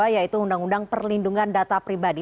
yaitu undang undang perlindungan data pribadi